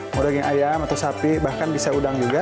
mau daging ayam atau sapi bahkan bisa udang juga